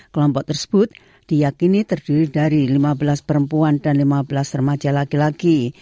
kelompok tersebut diyakini terdiri dari lima belas perempuan dan lima belas remaja laki laki